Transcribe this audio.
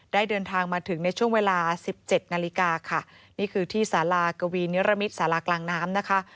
เดินทางมาถึงในช่วงเวลาสิบเจ็ดนาฬิกาค่ะนี่คือที่สารากวีนิรมิตสารากลางน้ำนะคะ